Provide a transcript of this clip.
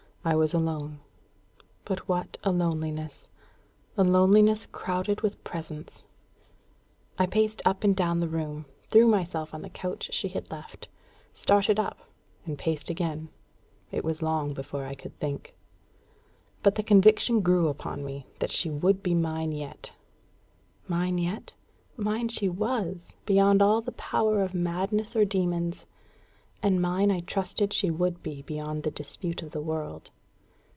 I was alone. But what a loneliness a loneliness crowded with presence! I paced up and down the room, threw myself on the couch she had left, started up, and paced again. It was long before I could think. But the conviction grew upon me that she would be mine yet. Mine yet? Mine she was, beyond all the power of madness or demons; and mine I trusted she would be beyond the dispute of the world.